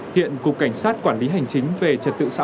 hiện cục cảnh sát quản lý hành chính về trật tự sau